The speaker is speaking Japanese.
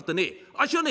あっしはね